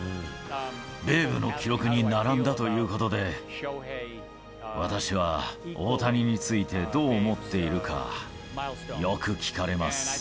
ベーブの記録に並んだということで、私は大谷についてどう思っているか、よく聞かれます。